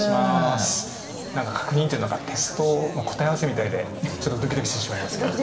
何か確認というのがテストの答え合わせみたいでちょっとドキドキしてしまいますけど。